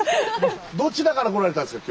どちらから来られたんですか？